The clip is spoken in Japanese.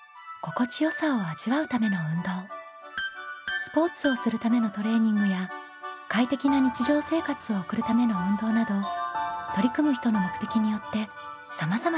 スポーツをするためのトレーニングや快適な日常生活を送るための運動など取り組む人の目的によってさまざまな運動があります。